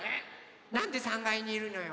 なんで３がいにいるのよ。